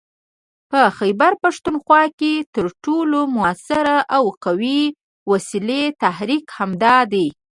په خيبرپښتونخوا کې تر ټولو موثر او قوي ولسي تحريک همدا دی